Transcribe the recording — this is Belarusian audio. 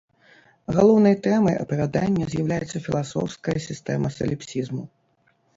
Галоўнай тэмай апавядання з'яўляецца філасофская сістэма саліпсізму.